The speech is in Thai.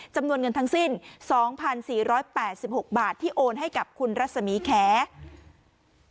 จำนวนเงินทั้งสิ้น๒๔๘๖บาทที่โอนให้กับคุณรัศมีแขก